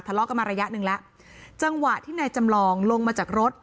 ทะเลาะกันมาระยะหนึ่งแล้วจังหวะที่นายจำลองลงมาจากรถ